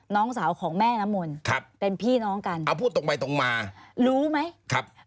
น้องสาวของแม่น้ำมนต์ครับเป็นพี่น้องกันเอาพูดตรงไปตรงมารู้ไหมครับ